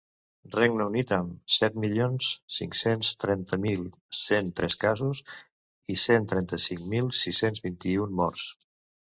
Regne Unit, amb set milions cinc-cents trenta mil cent tres casos i cent trenta-cinc mil sis-cents vint-i-un morts.